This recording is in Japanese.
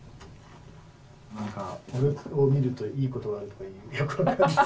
何かこれを見るといいことがあるとかよく分かんない。